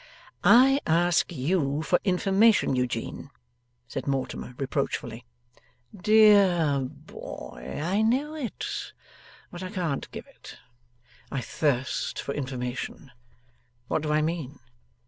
'I asked YOU for information, Eugene,' said Mortimer reproachfully. 'Dear boy, I know it, but I can't give it. I thirst for information. What do I mean?